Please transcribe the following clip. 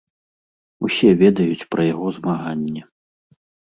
Усе ведаюць пра яго змаганне.